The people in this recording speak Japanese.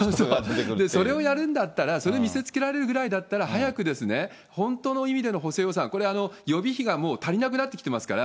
それをやるんだったら、それを見せつけられるぐらいだったら、早く本当の意味での補正予算、これ、予備費が足りなくなってきてますから、